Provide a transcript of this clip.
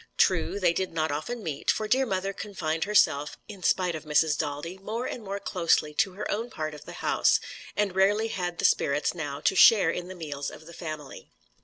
True, they did not often meet, for dear mother confined herself (in spite of Mrs. Daldy) more and more closely to her own part of the house, and rarely had the spirits now to share in the meals of the family.